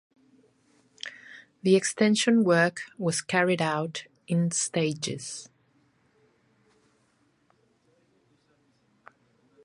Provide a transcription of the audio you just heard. The extension work was carried out in stages.